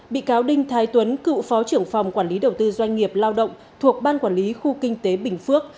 bị cáo đinh thái tuấn cựu phó trưởng phòng quản lý đầu tư doanh nghiệp lao động thuộc ban quản lý khu kinh tế bình phước